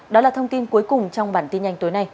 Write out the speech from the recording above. đó là thông tin cuối cùng trong bản tin nhanh tối nay